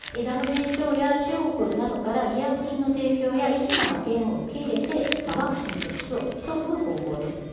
ＷＨＯや中国などから医薬品の提供や医師の派遣を受け入れてワクチン接種を急ぐ方向です。